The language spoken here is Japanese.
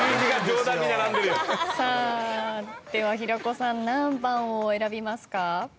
では平子さん何番を選びますか？